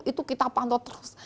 itu kita pantau terus